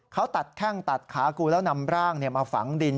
เขาตัดแข้งตัดขากูแล้วนำร่างมาฝังดิน